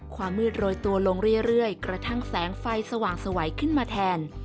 ความมืดโรยตัวลงเรื่อยกระทั่งแสงไฟสว่างสวัยขึ้นมาแทน